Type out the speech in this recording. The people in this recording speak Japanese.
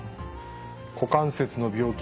股関節の病気